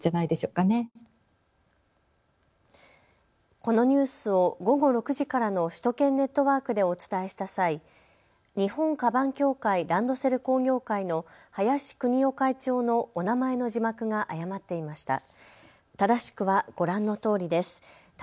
このニュースを午後６時からの首都圏ネットワークでお伝えした際、日本鞄協会ランドセル工業会の林州代会長のお名前の字幕が誤っていました。